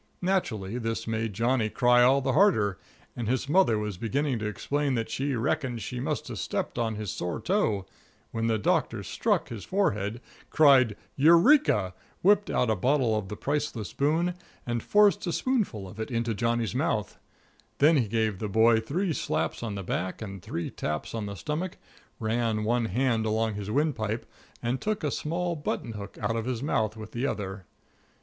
Naturally, this made Johnny cry all the harder, and his mother was beginning to explain that she "reckoned she must have stepped on his sore toe," when the Doctor struck his forehead, cried "Eureka!", whipped out a bottle of the Priceless Boon, and forced a spoonful of it into Johnny's mouth. Then he gave the boy three slaps on the back and three taps on the stomach, ran one hand along his windpipe, and took a small button hook out of his mouth with the other.